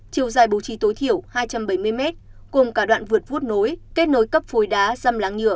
chiều dài bổ trí tối thiểu hai trăm bảy mươi m cùng cả đoạn vượt vuốt nối kết nối cấp phối đá dăm láng nhựa